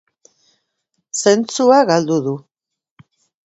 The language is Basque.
Zentzua galdu du.